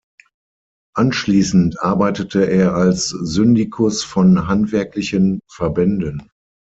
Anschließend arbeitete er als Syndikus von handwerklichen Verbänden.